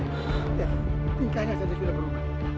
tingkahnya saja sudah berubah